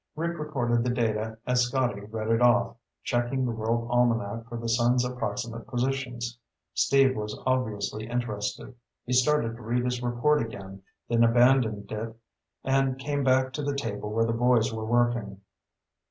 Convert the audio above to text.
Rick recorded the data as Scotty read it off, checking The World Almanac for the sun's approximate positions. Steve was obviously interested. He started to read his report again, then abandoned it and came back to the table where the boys were working.